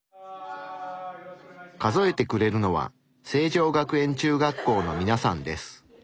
数えてくれるのは成城学園中学校のみなさんです。